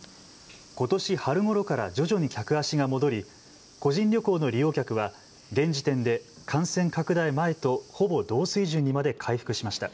ことし春ごろから徐々に客足が戻り個人旅行の利用客は現時点で感染拡大前とほぼ同水準にまで回復しました。